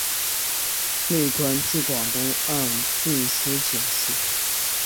累官至广东按察司佥事。